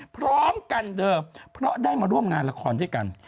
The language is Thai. พร้อมกันเดิมเพราะได้มาร่วมงานละครด้วยกัน